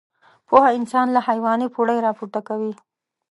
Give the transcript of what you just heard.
پوهه انسان له حيواني پوړۍ راپورته کوي.